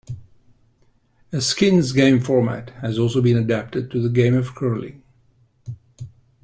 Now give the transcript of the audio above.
A skins game format has also been adapted to the game of curling.